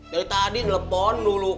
dari tadi ngelepon dulu